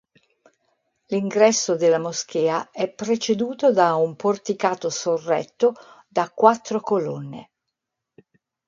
L'ingresso della moschea è preceduto da un porticato sorretto da quattro colonne.